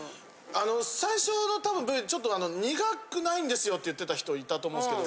あの最初の多分Ｖちょっとあの苦くないんですよって言ってた人いたと思うんですけど。